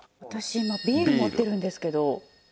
私今ビール持ってるんですけど。